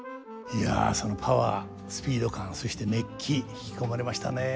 いやそのパワースピード感そして熱気引き込まれましたね。